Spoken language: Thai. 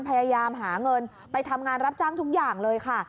พยายามหาเงินไปทำงานรับจ้างทุกอย่างเลยค่ะ